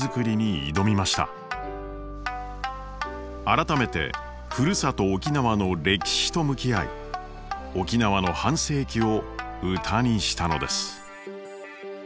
改めてふるさと沖縄の歴史と向き合い沖縄の半世紀を歌にしたのです。